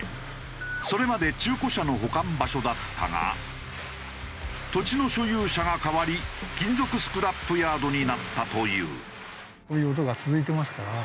それまで中古車の保管場所だったが土地の所有者が変わり金属スクラップヤードになったという。